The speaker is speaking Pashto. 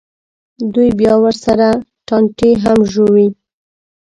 دوی بیا ورسره ټانټې هم ژووي.